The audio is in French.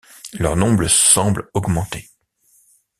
Leur nombre semble augmenter.